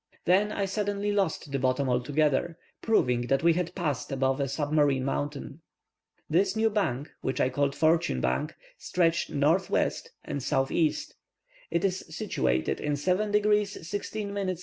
Then I suddenly lost the bottom altogether, proving that we had passed above a submarine mountain. This new bank, which I called Fortune Bank, stretched, N.W. and S.E. It is situated in 7 degrees 16 minutes S.